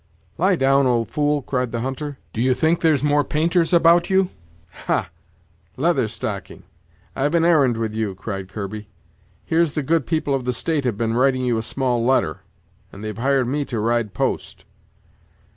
"Lie down, old fool," cried the hunter; "do you think there's more painters about you?" "Ha! Leather Stocking, I've an arrand with you," cried Kirby; "here's the good people of the State have been writing you a small letter, and they've hired me to ride post."